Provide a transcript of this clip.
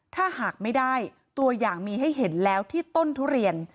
ถ้าหากไม่ได้ตัวอย่างมีให้เห็นแล้วที่ต้นทุเรียน